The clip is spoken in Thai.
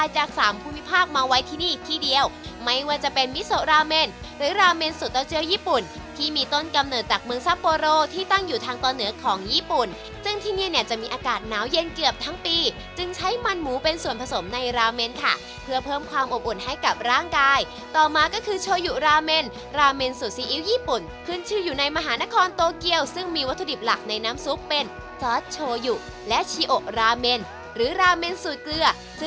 จากสามภูมิภาคมาไว้ที่นี่ที่เดียวไม่ว่าจะเป็นหรือลาเจ้าญี่ปุ่นที่มีต้นกำเนิดจากเมืองซัปโปโลลาเม้งที่ตั้งอยู่ทางตอนเหนือกของญี่ปุ่นซึ่งที่นี่เนี้ยจะมีอากาศนาวเย็นเกือบทั้งปีจึงใช้มันหมูเป็นส่วนผสมในลาเม้นค่ะเพื่อเพิ่มความอบอุ่นให้กับร่างกายต่อมาก็คือ